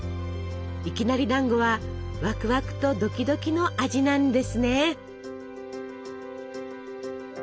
いきなりだんごはワクワクとドキドキの味なんですね！